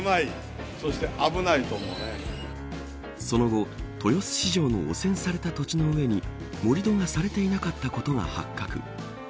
その後、豊洲市場の汚染された土地の上に盛り土がされていなかったことが発覚。